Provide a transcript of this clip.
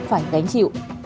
phải đánh chịu